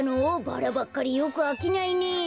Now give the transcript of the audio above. バラばっかりよくあきないね。